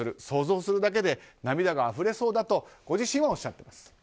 想像するだけで涙があふれそうだとご自身はおっしゃっています。